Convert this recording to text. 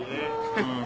うん。